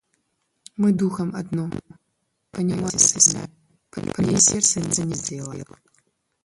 Мы духом одно, понимаете сами: по линии сердца нет раздела.